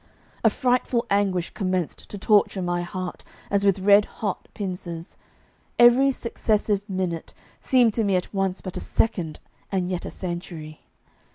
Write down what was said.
A frightful anguish commenced to torture my heart as with red hot pincers. Every successive minute seemed to me at once but a second and yet a century.